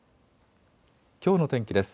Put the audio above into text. きょうの天気です。